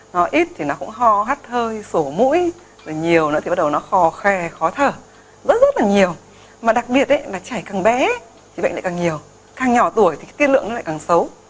nó ít thì nó cũng ho hát hơi sổ mũi và nhiều nữa thì bắt đầu nó khò khe khó thở rất rất là nhiều mà đặc biệt là trẻ càng bé thì bệnh lại càng nhiều càng nhỏ tuổi thì tiên lượng nó lại càng xấu